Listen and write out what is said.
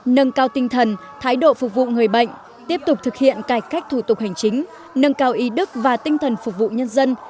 nâng cao tinh thần thái độ phục vụ người bệnh tiếp tục thực hiện cải cách thủ tục hành chính nâng cao ý đức và tinh thần phục vụ nhân dân